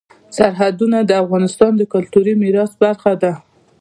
سرحدونه د افغانستان د کلتوري میراث برخه ده.